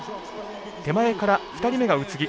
手前から２人目が宇津木